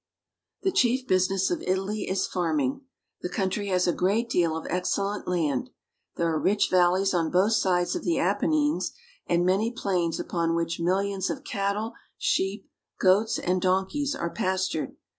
The chief business of Italy is farming. The country has a great deal of excellent land. There are rich valleys on both sides of the Apennines, and many plains upon which millions of cattle, sheep, goats, and donkeys are pastured.